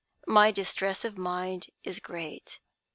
My distress of mind is great.